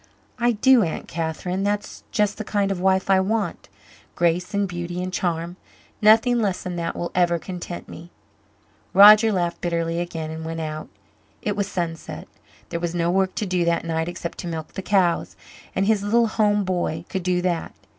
"I do, Aunt Catherine. That's just the kind of wife I want grace and beauty and charm. Nothing less than that will ever content me." Roger laughed bitterly again and went out. It was sunset. There was no work to do that night except to milk the cows, and his little home boy could do that.